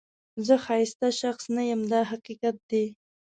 زه ښایسته شخص نه یم دا حقیقت دی.